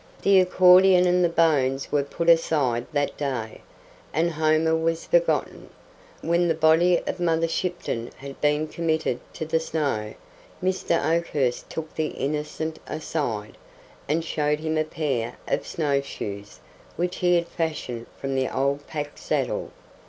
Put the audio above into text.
The accordion and the bones were put aside that day, and Homer was forgotten. When the body of Mother Shipton had been committed to the snow, Mr. Oakhurst took the Innocent aside, and showed him a pair of snowshoes, which he had fashioned from the old pack saddle.